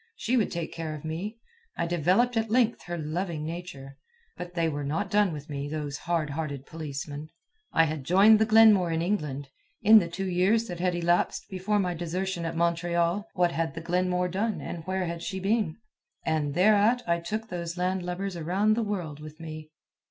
She would take care of me. I developed at length her loving nature. But they were not done with me, those hard hearted policemen. I had joined the Glenmore in England; in the two years that had elapsed before my desertion at Montreal, what had the Glenmore done and where had she been? And thereat I took those landlubbers around the world with me.